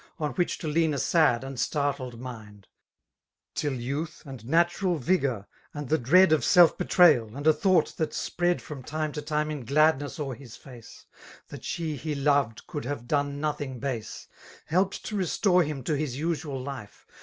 On which to lean a sad and startled imnd : Till youth, and natural vigour^ and the dread Of self betrayal» and a thought that.spread Fvom time to time iii gladness o'er his inee. That she he loved could have done nothing base> Helped to restore him to his usual life.